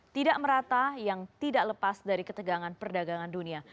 tidak merata yang tidak lepas dari ketegangan perdagangan dunia